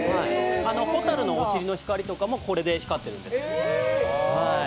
ほたるのお尻の光とかもこれで光っているんです。